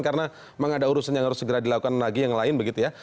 karena memang ada urusan yang harus dilakukan lagi yang lain begitu ya